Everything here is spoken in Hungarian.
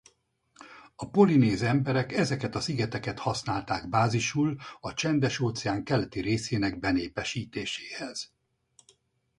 A polinéz emberek ezeket a szigeteket használták bázisul a Csendes-óceán keleti részének benépesítéséhez.